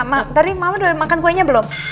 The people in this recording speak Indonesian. mak tadi mama udah makan kuenya belum